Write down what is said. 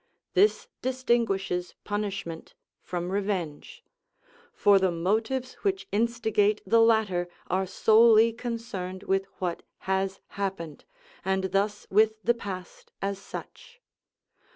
This distinguishes punishment from revenge; for the motives which instigate the latter are solely concerned with what has happened, and thus with the past as such.